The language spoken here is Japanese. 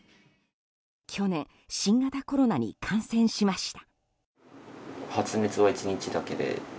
去年新型コロナに感染しました。